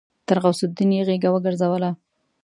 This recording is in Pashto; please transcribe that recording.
تر غوث الدين يې غېږه وګرځوله.